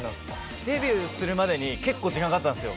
デビューするまでに結構時間がかかったんですよ